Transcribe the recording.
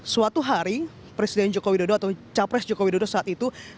suatu hari presiden jokowi dodo atau capres jokowi dodo saat itu